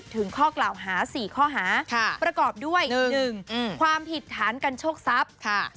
ข้อกล่าวหา๔ข้อหาประกอบด้วย๑ความผิดฐานกันโชคทรัพย์